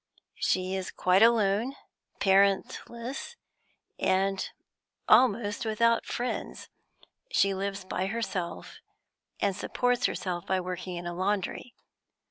She is quite alone, parentless, and almost without friends. She lives by herself, and supports herself by working in a laundry.